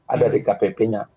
ada di kpp nya